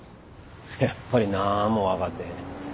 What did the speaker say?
やっぱりなんも分かってへん。